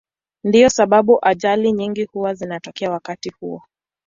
Ndiyo sababu ajali nyingi huwa zinatokea wakati huo.